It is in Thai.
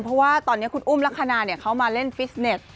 เพราะว่าตอนนี้คุณอุ้มลักษณะเขามาเล่นฟิสเน็ต